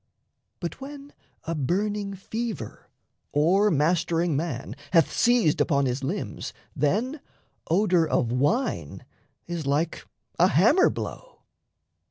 But when a burning fever, O'ermastering man, hath seized upon his limbs, Then odour of wine is like a hammer blow.